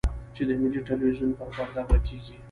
چې د ملي ټلویزیون پر پرده به کېږي.